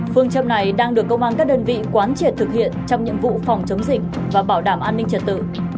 phương châm này đang được công an các đơn vị quán triệt thực hiện trong nhiệm vụ phòng chống dịch và bảo đảm an ninh trật tự